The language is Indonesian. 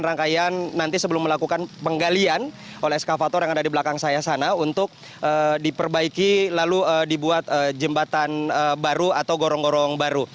rangkaian nanti sebelum melakukan penggalian oleh eskavator yang ada di belakang saya sana untuk diperbaiki lalu dibuat jembatan baru atau gorong gorong baru